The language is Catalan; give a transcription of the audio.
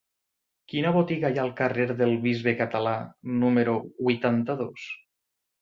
Quina botiga hi ha al carrer del Bisbe Català número vuitanta-dos?